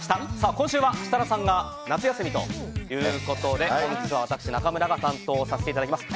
今週は設楽さんが夏休みということで本日は私、中村が担当させていただきます。